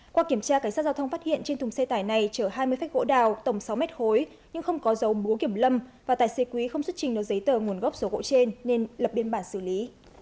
qua kiểm tra cảnh sát giao thông phát hiện trên thùng xe tải này chở hai mươi phách gỗ đào tổng sáu mét khối nhưng không có dầu búa kiểm lâm và tài xế quý không xuất trình được giấy tờ nguồn gốc số gỗ trên nên lập biên bản xử lý